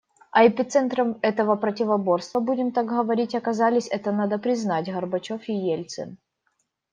А эпицентром этого противоборства, будем так говорить, оказались, это надо признать, Горбачев и Ельцин.